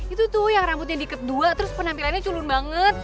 itu tuh yang rambutnya diet dua terus penampilannya culun banget